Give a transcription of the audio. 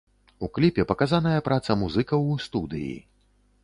У кліпе паказаная праца музыкаў у студыі.